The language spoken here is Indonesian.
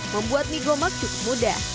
membuat mie gomak cukup mudah